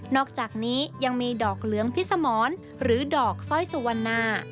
อกจากนี้ยังมีดอกเหลืองพิสมรหรือดอกสร้อยสุวรรณา